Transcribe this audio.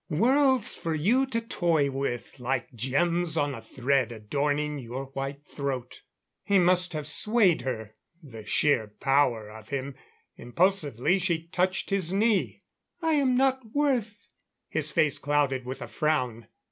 Worlds for you to toy with, like gems on a thread adorning your white throat " He must have swayed her, the sheer power of him. Impulsively she touched his knee. "I am not worth " His face clouded with a frown.